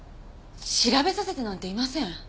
調べさせてなんていません！